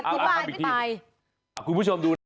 อธิบายไป